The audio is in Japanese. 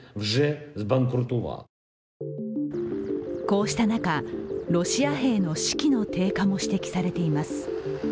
こうした中、ロシア兵の士気の低下も指摘されています。